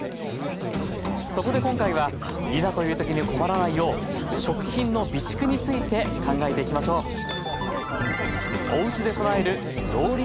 そこで今回はいざという時に困らないよう食品の備蓄について考えていきましょう。